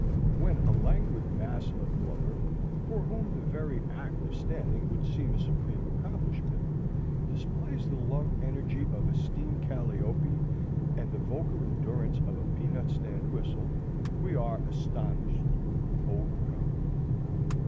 When a languid mass of blubber, for whom the very act of standing would seem a supreme accomplishment, displays the lung energy of a steam calliope and the vocal endurance of a peanut stand whistle we are astonished, overcome.